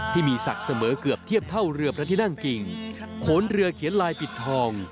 ที่มีศักดิ์เสมอเกือบเทียบเท่าเรือพระที่นั่งกิ่งโขนเรือเขียนลายปิดทอง